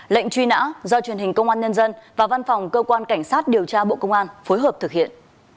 lệnh truy nã do truyền hình công an nhân dân và văn phòng cơ quan cảnh sát điều tra bộ công an phối hợp thực hiện